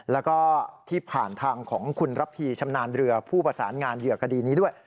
แล้วก็ที่ผ่านทางของคุณระพีชำนาญเรือผู้ประสานงานเหยื่อคดีนี้ด้วย